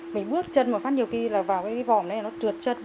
mình bước chân một phát nhiều khi là vào cái vỏm đấy nó trượt chân